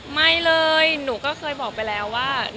ไม่เลยหนูก็เคยบอกไปแล้วว่า